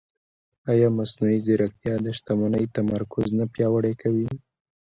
ایا مصنوعي ځیرکتیا د شتمنۍ تمرکز نه پیاوړی کوي؟